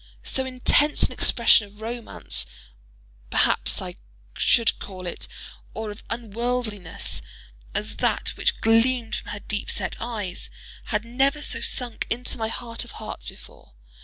So intense an expression of romance, perhaps I should call it, or of unworldliness, as that which gleamed from her deep set eyes, had never so sunk into my heart of hearts before.